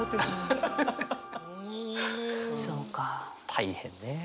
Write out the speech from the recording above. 大変ねえ。